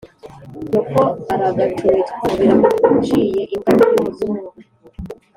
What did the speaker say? nyoko aragacumitwa na biraciye imbwa y'umuzungu